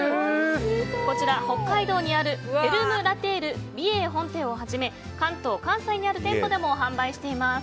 こちら北海道にあるフェルムラ・テール美瑛本店をはじめ関東、関西にある店舗でも販売しています。